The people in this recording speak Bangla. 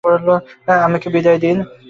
আমাকে বিদায় দিন।